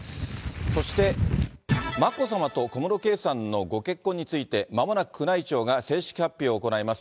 そして眞子さまと小室圭さんのご結婚について、まもなく宮内庁が正式発表を行います。